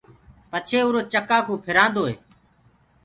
پڇي اُرو چڪآ ڪوُ ڦِرآندو هي۔